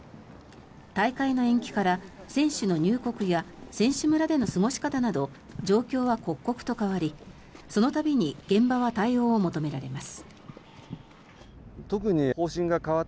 大会の延期から、選手の入国や選手村での過ごし方など状況は刻々と変わりその度に現場は対応を求められます。